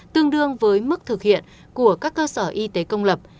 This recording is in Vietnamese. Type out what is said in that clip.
tương đương với mức thực hiện của các cơ sở y tế công lập